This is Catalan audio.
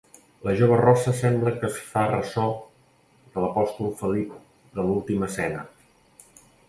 La jove rossa sembla que es fa ressò de l'apòstol Felip de L'última cena.